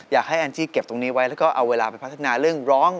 แอนจี้เก็บตรงนี้ไว้แล้วก็เอาเวลาไปพัฒนาเรื่องร้อง